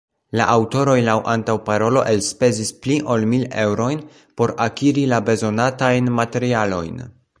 la aŭtoroj laŭ antaŭparolo elspezis pli ol mil eŭrojn por akiri la bezonatajn materialojn.